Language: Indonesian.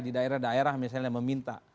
di daerah daerah misalnya meminta